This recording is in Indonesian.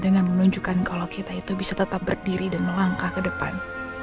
dengan menunjukkan kalau kita itu bisa tetap berdiri dan melangkah ke depan